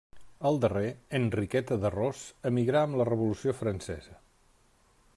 El darrer, Enriqueta de Ros, emigrà amb la Revolució Francesa.